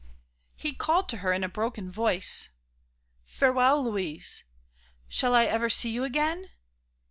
He called to her in a broken voice: "Farewell, Louise!... Shall I ever see you again?"